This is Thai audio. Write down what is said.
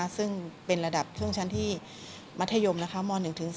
ซึ่งเป็นระดับช่วงชั้นที่มัธยมม๑๔